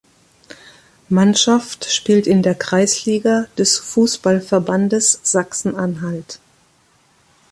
Mannschaft spielt in der Kreisliga des Fußballverbandes Sachsen-Anhalt.